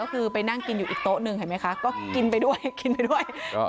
ก็คือไปนั่งกินเป็นอีกโต๊ะหนึ่งเห็นไหมคะก็กินไปด้วย